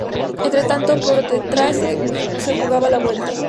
Entre tanto, por detrás se jugaba la Vuelta.